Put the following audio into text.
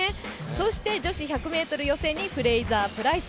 そして女子１００ｍ予選にフレイザープライス。